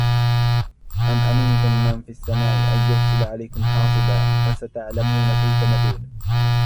أَمْ أَمِنْتُمْ مَنْ فِي السَّمَاءِ أَنْ يُرْسِلَ عَلَيْكُمْ حَاصِبًا فَسَتَعْلَمُونَ كَيْفَ نَذِيرِ